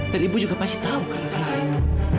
dan ibu juga pasti tahu karena karena itu